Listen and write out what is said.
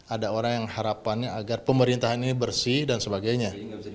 ada orang yang harapannya agar pemerintahan ini bersih dan sebagainya